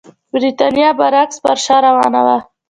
برېټانیا برعکس پر شا روانه وه.